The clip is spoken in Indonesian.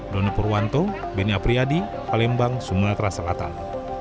dona purwanto beny apriadi palembang sumatera selatan